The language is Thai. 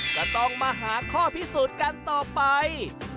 ก็ต้องมาหาข้อพิสูจน์กันต่อไป